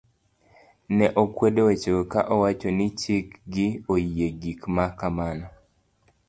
ne okwedo wechego ka owacho ni chik gi oyie gik ma kamano